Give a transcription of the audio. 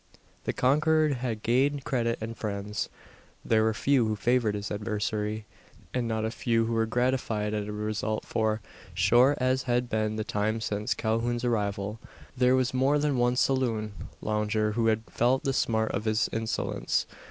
The conqueror had gained credit and friends. There were few who favoured his adversary; and not a few who were gratified at the result for, short as had been the time since Calhoun's arrival, there was more than one saloon lounger who had felt the smart of his insolence.